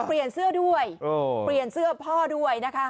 เปลี่ยนเสื้อด้วยเปลี่ยนเสื้อพ่อด้วยนะคะ